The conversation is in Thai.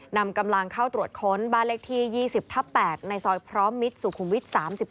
นำกำลังเข้าตรวจค้นบ้านเลขที่๒๐ทับ๘ในซอยพร้อมมิตรสุขุมวิท๓๙